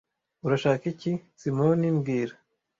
Urashaka iki, Simoni mbwira